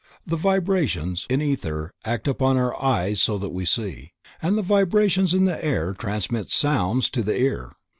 The vibrations in the ether act upon our eyes so that we see, and vibrations in the air transmit sounds to the ear.